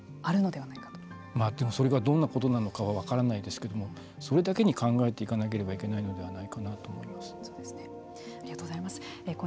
でもそれがどんなことなのかは分からないですけどもそれだけに考えていかないといけないのではないかなと思います。